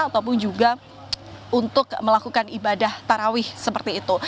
ataupun juga untuk melakukan ibadah tarawih seperti itu